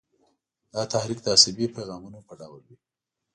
دا تحریک د عصبي پیغامونو په ډول وي.